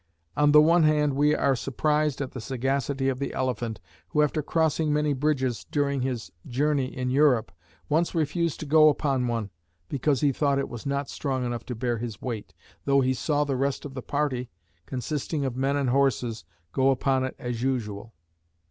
On the one hand, we are surprised at the sagacity of the elephant, who, after crossing many bridges during his journey in Europe, once refused to go upon one, because he thought it was not strong enough to bear his weight, though he saw the rest of the party, consisting of men and horses, go upon it as usual.